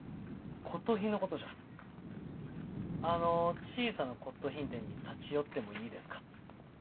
「あの小さな骨とう品店に立ち寄ってもいいですか？」。